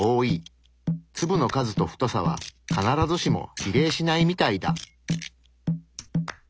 粒の数と太さは必ずしも比例しないみたいだ。